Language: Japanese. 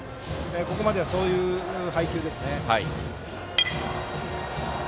ここまではそういう配球ですね。